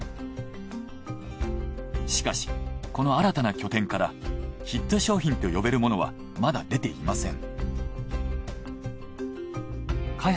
しかしこの新たな拠点からヒット商品と呼べるものはまだ出ていません。